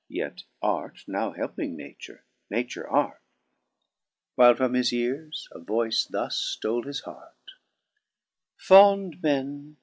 Yet Arte now helping Nature, Nature Arte ; While from his eares a voyce thus fl:ole his heart 7 '* Fond Men